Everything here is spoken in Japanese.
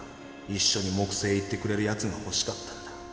一緒に木星へ行ってくれるやつがほしかったんだ。